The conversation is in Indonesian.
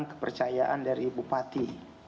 untuk mencari kekayaan dari bupati